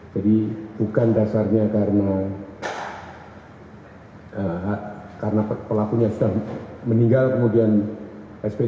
jadi bukan dasarnya karena pelakunya sudah meninggal kemudian sp tiga atau apa bukan